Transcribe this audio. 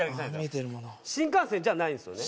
新幹線じゃないんですよね？